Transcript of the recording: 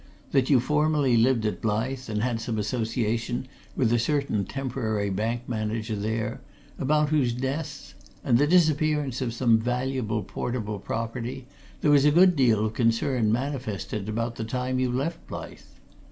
That you formerly lived at Blyth, and had some association with a certain temporary bank manager there, about whose death and the disappearance of some valuable portable property there was a good deal of concern manifested about the time that you left Blyth.